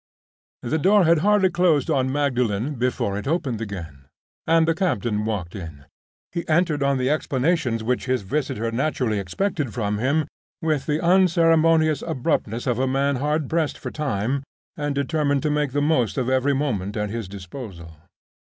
The door had hardly closed on Magdalen before it opened again, and the captain walked in. He entered on the explanations which his visitor naturally expected from him with the unceremonious abruptness of a man hard pressed for time, and determined to make the most of every moment at his disposal.